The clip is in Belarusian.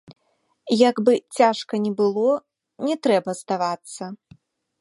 Як бы цяжка ні было, не трэба здавацца.